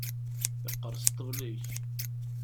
Yeqqers ṭṭbel-ik!